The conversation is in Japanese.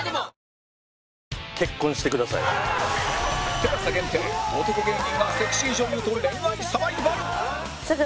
ＴＥＬＡＳＡ 限定男芸人がセクシー女優と恋愛サバイバル